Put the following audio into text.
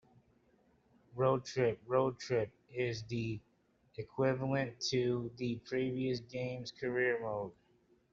Road Trip - "Road Trip" is the equivalent to the previous game's "Career Mode.